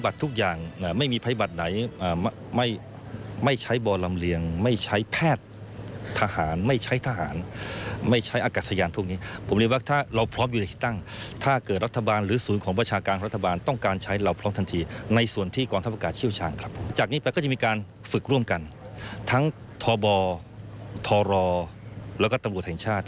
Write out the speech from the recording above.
ทั้งทบทรและตำรวจแห่งชาติ